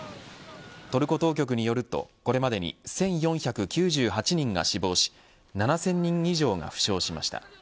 トルコ当局によると、これまでに１４９８人が死亡し７０００人以上が負傷しました。